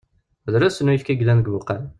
Drusn uyefki i yellan deg ubuqal..